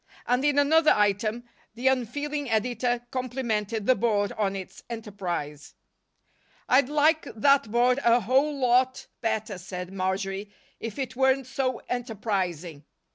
And, in another item, the unfeeling editor complimented the Board on its enterprise. "I'd like that Board a whole lot better," said Marjory, "if it weren't so enterprising.